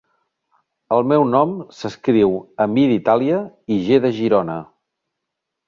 El meu nom s'escriu amb i d'Itàlia i ge de Girona.